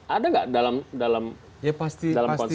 ada nggak dalam konsep ini